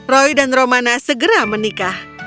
roy dan romana segera menikah